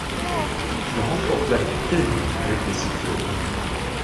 Il remporte la Coupe Kelly avec les Cyclones.